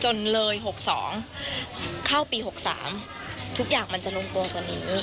เลย๖๒เข้าปี๖๓ทุกอย่างมันจะลงตัวกว่านี้